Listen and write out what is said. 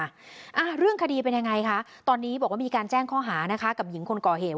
อ่าเรื่องคดีเป็นยังไงคะตอนนี้บอกว่ามีการแจ้งข้อหานะคะกับหญิงคนก่อเหตุ